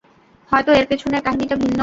হয়তো, এর পেছনের কাহিনীটা ভিন্ন!